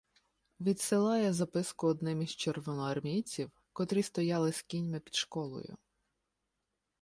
Відсилає записку одним із червоноармійців, котрі стояли з кіньми під школою.